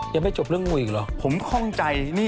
ยังไม่จบเรื่องงูยังหรอ